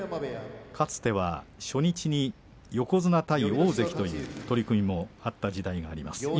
かつては初日に横綱対大関という取組もあった時代があります。